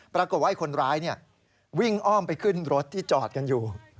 ปรากฏว่าคนร้ายวิ่งอ้อมไปขึ้นรถที่จอดกันอยู่